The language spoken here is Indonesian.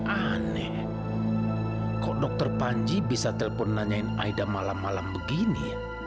aneh kok dokter panji bisa telepon nanyain aida malam malam begini